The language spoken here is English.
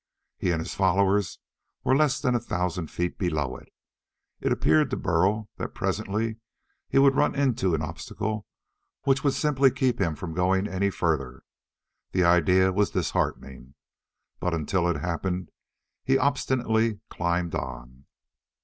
He and his followers were less than a thousand feet below it. It appeared to Burl that presently he would run into an obstacle which would simply keep him from going any further. The idea was disheartening. But until it happened he obstinately climbed on.